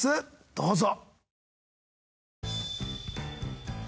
どうぞ。